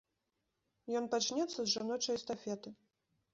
Ён пачнецца з жаночай эстафеты.